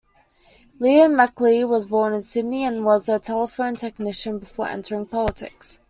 Leo McLeay was born in Sydney, and was a telephone technician before entering politics.